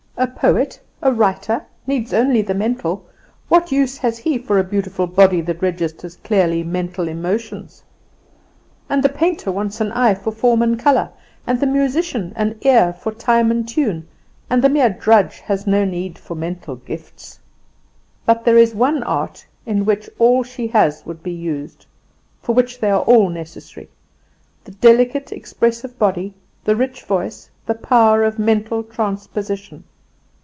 A poet, a writer, needs only the mental; what use has he for a beautiful body that registers clearly mental emotions? And the painter wants an eye for form and colour, and the musician an ear for time and tune, and the mere drudge has no need for mental gifts. "But there is one art in which all she has would be used, for which they are all necessary the delicate expressive body, the rich voice, the power of mental transposition.